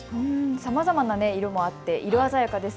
さまざまな色もあって色鮮やかです。